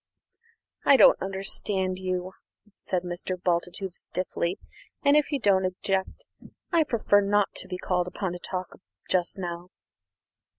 "I don't understand you," said Mr. Bultitude stiffly; "and, if you don't object, I prefer not to be called upon to talk just now."